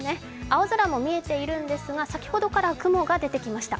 青空も見えているんですが先ほどから雲が出てきました。